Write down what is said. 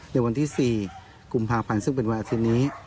ในวันที่๔กุมภาพันธ์ซึ่งเป็นวันอาทิตย์นี้